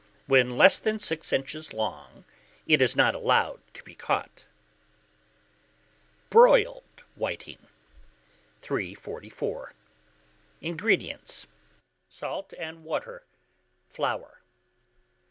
When less than six inches long, it is not allowed to be caught. BROILED WHITING. 344. INGREDIENTS. Salt and water, flour.